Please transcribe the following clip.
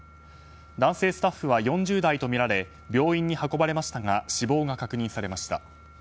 男性スタッフは、４０代とみられ病院に運ばれましたが死亡が確認されました。